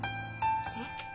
えっ？